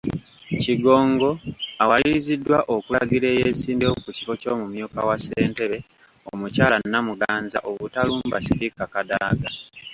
Kigongo, awaliriziddwa okulagira eyeesimbyewo ku kifo ky’omumyuka wa ssentebe omukyala Namuganza obutalumba Sipiika Kadaga.